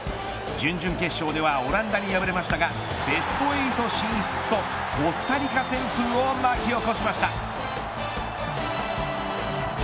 準々決勝ではオランダに敗れましたがベスト８進出とコスタリカ旋風を巻き起こしました。